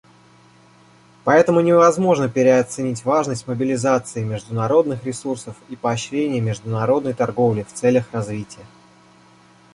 Поэтому невозможно переоценить важность мобилизации международных ресурсов и поощрения международной торговли в целях развития.